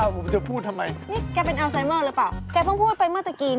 คิดถึงหนูนิด